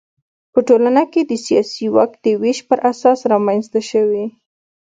په ټولنه کې د سیاسي واک د وېش پر اساس رامنځته شوي.